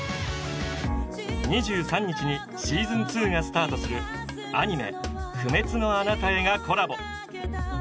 ２３日にシーズン２がスタートするアニメ「不滅のあなたへ」がコラボ！